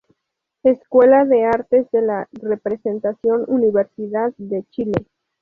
Escuela de Artes de la Representación, Universidad de Chile.